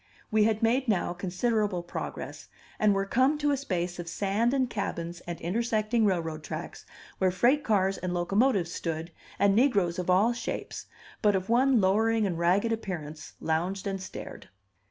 We had made now considerable progress, and were come to a space of sand and cabins and intersecting railroad tracks, where freight cars and locomotives stood, and negroes of all shapes, but of one lowering and ragged appearance, lounged and stared.